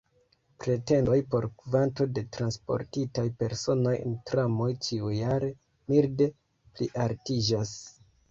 Pretendoj por kvanto de transportitaj personoj en tramoj ĉiujare milde plialtiĝas.